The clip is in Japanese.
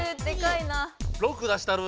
６出したる。